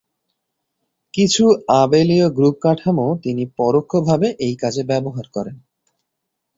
কিছু আবেলীয় গ্রুপ কাঠামো তিনি পরোক্ষ ভাবে এই কাজে ব্যবহার করেন।